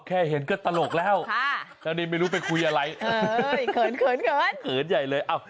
แค่เห็นก็ตลกแล้วตอนนี้ไม่รู้เป็นคุยอะไรเผินเผินเผินใหญ่เลย